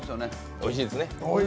おいしいですね。